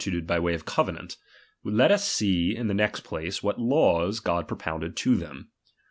luted by way of covenant, let us see in the next place, what laws God propounded to them.